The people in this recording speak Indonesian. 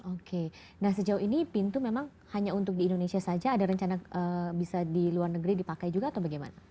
oke nah sejauh ini pintu memang hanya untuk di indonesia saja ada rencana bisa di luar negeri dipakai juga atau bagaimana